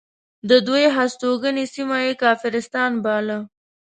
د دوی هستوګنې سیمه یې کافرستان باله.